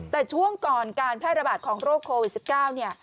แต่ช่วงก่อนการแพร่ระบาดของโรคโควิด๑๙เนี่ย